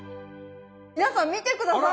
皆さん見て下さい！